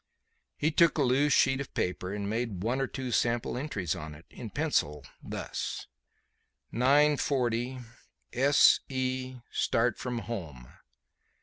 He took a loose sheet of paper and made one or two sample entries on it in pencil, thus "9.40. S.E. Start from home.